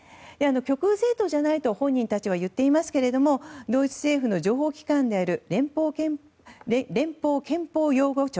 極右政党じゃないと本人たちは言っていますけれどもドイツ政府の情報機関である連邦憲法擁護庁。